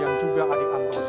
dan juga adik amrozi